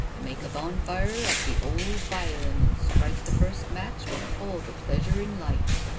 Make a bonfire of the 'ole bilin' and strike the first match with all the pleasure in life.